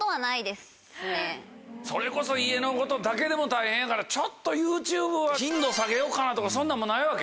それこそ家のことだけでも大変やからちょっとＹｏｕＴｕｂｅは頻度下げようかなとかそんなんもないわけ？